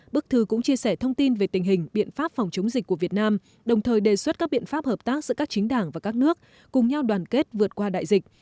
bức thư cũng chia sẻ thông tin về tình hình biện pháp phòng chống dịch của việt nam đồng thời đề xuất các biện pháp hợp tác giữa các chính đảng và các nước cùng nhau đoàn kết vượt qua đại dịch